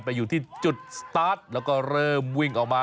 ไปอยู่ที่จุดสตาร์ทแล้วก็เริ่มวิ่งออกมา